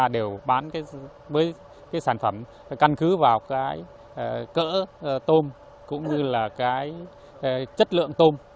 đều bán với cái sản phẩm căn cứ vào cái cỡ tôm cũng như là cái chất lượng tôm